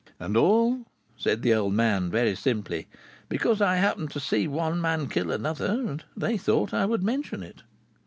"And all," said the old man very simply, "because I happened to see one man kill another, and they thought I would mention it."